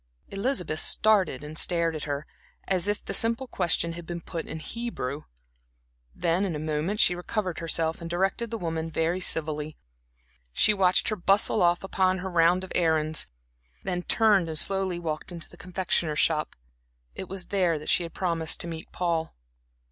Elizabeth started and stared at her, as if the simple question had been put in Hebrew. Then in a moment she recovered herself and directed the woman very civilly. She watched her bustle off upon her round of errands, then turned and slowly walked into the confectioner's shop. It was there that she had promised to meet Paul.